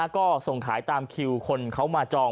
ก็ส่งขายตามคิวคนเขามาจอง